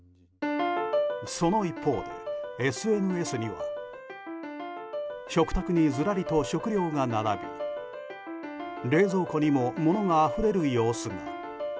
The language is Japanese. その一方で、ＳＮＳには食卓にずらりと食料が並び冷蔵庫にも物があふれる様子も。